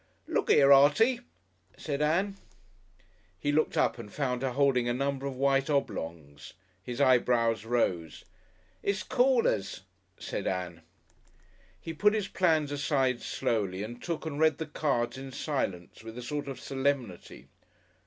"Look 'ere, Artie!" said Ann. He looked up and found her holding a number of white oblongs. His eyebrows rose. "It's Callers," said Ann. He put his plans aside slowly and took and read the cards in silence, with a sort of solemnity.